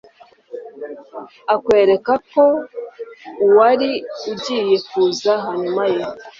akwerekeza ku uwari ugiye kuza hanyuma ye.